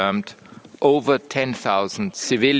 lebih dari sepuluh kematian sipil